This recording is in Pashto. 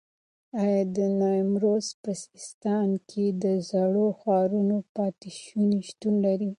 ایا د نیمروز په سیستان کې د زړو ښارونو پاتې شونې شتون لري؟